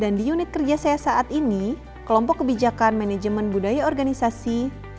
di unit kerja saya saat ini kelompok kebijakan manajemen budaya organisasi